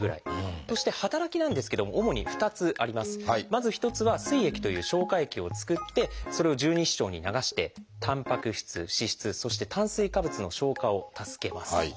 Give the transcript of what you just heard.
まず一つは「膵液」という消化液を作ってそれを十二指腸に流してたんぱく質脂質そして炭水化物の消化を助けます。